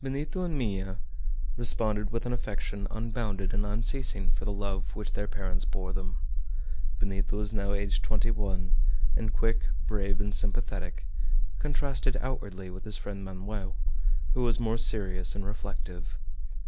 Benito and Minha responded with an affection unbounded and unceasing for the love which their parents bore them. Benito was now aged twenty one, and quick, brave, and sympathetic, contrasted outwardly with his friend Manoel, who was more serious and reflective.